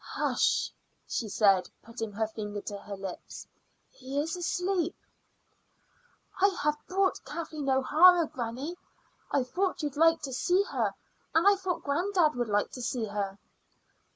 "Hush!" she said, putting her finger to her lips; "he is asleep." "I have brought Kathleen O'Hara, granny. I thought you'd like to see her, and I thought granddad would like to see her."